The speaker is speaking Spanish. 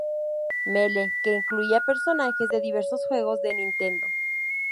Melee", que incluía personajes de diversos juegos de Nintendo.